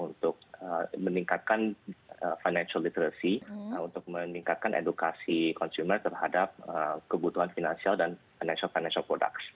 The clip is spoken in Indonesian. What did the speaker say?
untuk meningkatkan financial literacy untuk meningkatkan edukasi konsumen terhadap kebutuhan finansial dan financial product